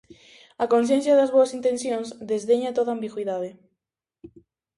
A conciencia das boas intencións desdeña toda ambigüidade.